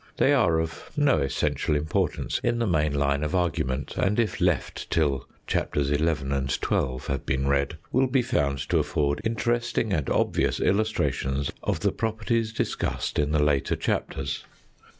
They are of no essential importance in the main line of argument, and if left till Chapters XI. and XII. have been read, will be found to afford interesting and obvious illustrations of the properties discussed in the later chapters.